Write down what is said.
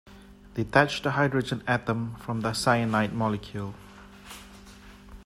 Detach the hydrogen atom from the cyanide molecule.